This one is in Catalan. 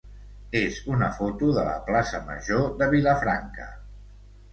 és una foto de la plaça major de Vilafranca.